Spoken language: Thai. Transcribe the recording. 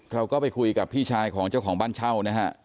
เราก็ไปคุยกับพี่ชายของเจ้าของบ้านเช่านะฮะ